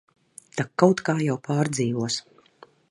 Tak kaut kā jau pārdzīvos.